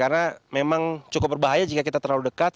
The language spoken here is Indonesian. karena memang cukup berbahaya jika kita terlalu dekat